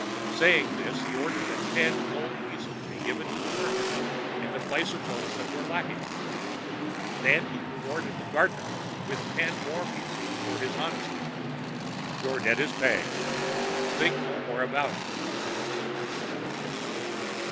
Saying this, he ordered that ten gold pieces be given to the merchant in place of those that were lacking. Then he rewarded the gardener with ten more pieces for his honesty. "Your debt is paid. Think no more about it," he said.